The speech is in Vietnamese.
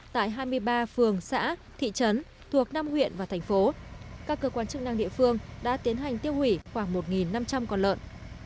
tại hai mươi ba phường xã thị trấn thuộc năm huyện và thành phố các cơ quan chức năng địa phương đã tiến hành tiêu hủy khoảng một năm trăm linh con lợn